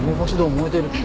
燃えてるって。